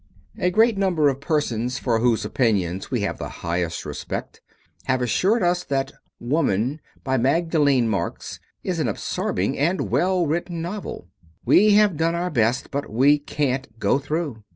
A great number of persons for whose opinions we have the highest respect have assured us that Woman, by Magdeleine Marx, is an absorbing and well written novel. We have done our best but we can't go through.